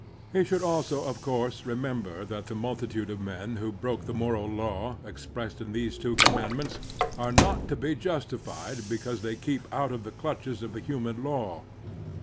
He should also, of course, remember that the multi tude of men who break the moral law expressed in these two commandments are not to be justified because they keep out of the clutches of the human law.